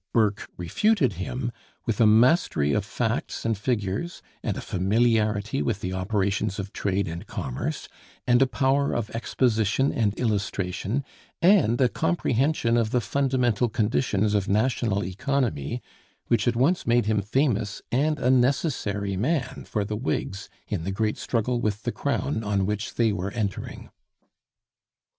Burke refuted him with a mastery of facts and figures, and a familiarity with the operations of trade and commerce, and a power of exposition and illustration, and a comprehension of the fundamental conditions of national economy, which at once made him famous and a necessary man for the Whigs in the great struggle with the Crown on which they were entering.